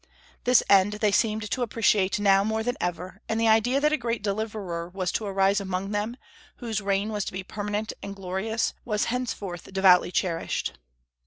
This end they seemed to appreciate now more than ever, and the idea that a great Deliverer was to arise among them, whose reign was to be permanent and glorious, was henceforth devoutly cherished.